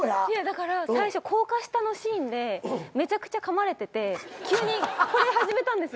だから最初高架下のシーンでめちゃくちゃかまれてて急にこれ始めたんです。